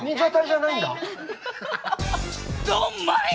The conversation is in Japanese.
ドンマイ！